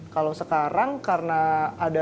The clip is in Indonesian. kalau sekarang karena ada